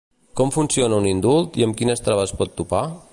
Com funciona un indult i amb quines traves pot topar?